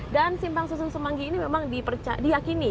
dan simpang susun semanggi ini memang dihakimi